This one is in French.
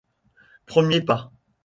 Premiers Pas...